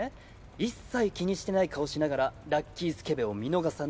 一切気にしてない顔しながらラッキースケベを見逃さない。